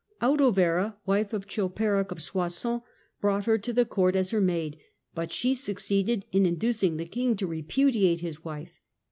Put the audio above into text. Audovera, wife of Chilperic of Soissons, brought her to the Court as her maid, but she succeeded in inducing the king to repudiate his wife.